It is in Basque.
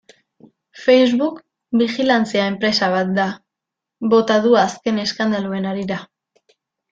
Facebook bijilantzia enpresa bat da, bota du azken eskandaluen harira.